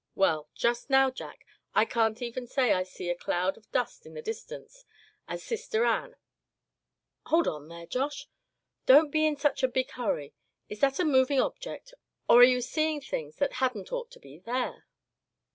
Well, just now, Jack, I can't even say I see a cloud of dust in the distance, as Sister Ann hold on there, Josh, don't be in such a big hurry. Is that a moving object, or are you seeing things that hadn't ought to be there?"